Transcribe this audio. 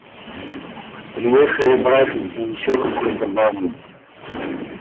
Приехали братец и еще какой-то барин.